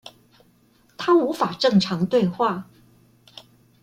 他無法正常對話